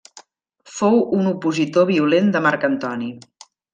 Fou un opositor violent de Marc Antoni.